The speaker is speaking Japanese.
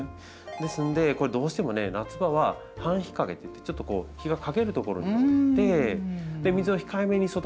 ですのでこれどうしてもね夏場は半日陰っていってちょっと日が陰る所に置いて水を控えめに育ててあげないといけないんですよ。